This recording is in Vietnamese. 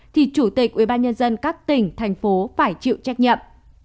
thì chủ tịch ubnd các tỉnh thành phố phải chịu trách nhiệm